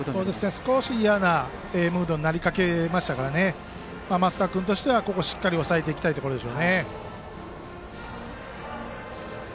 少し、嫌なムードになりかけましたから升田君としては、ここはしっかり抑えたいところです。